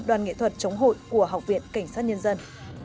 đoàn nghệ thuật chống hội của học viện cảnh sát nhân dân